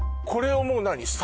これをもう何？